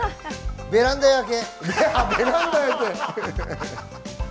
ベランダ焼け。